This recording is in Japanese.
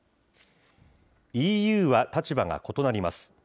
ＥＵは立場が異なります。